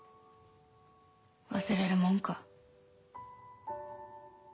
忘れるもんか。